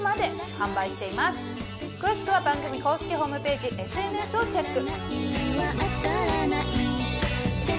詳しくは番組公式ホームページＳＮＳをチェック！